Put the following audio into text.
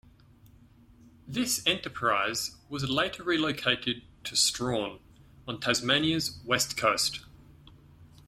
This enterprise was later relocated to Strahan, on Tasmania's west coast.